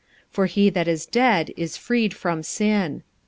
45:006:007 For he that is dead is freed from sin.